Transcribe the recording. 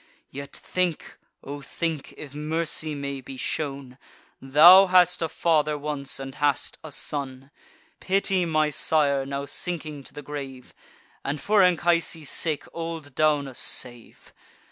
Yet think, O think, if mercy may be shown, Thou hadst a father once, and hast a son. Pity my sire, now sinking to the grave; And for Anchises' sake old Daunus save!